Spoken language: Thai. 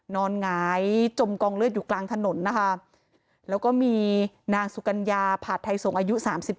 หงายจมกองเลือดอยู่กลางถนนนะคะแล้วก็มีนางสุกัญญาผาดไทยส่งอายุ๓๗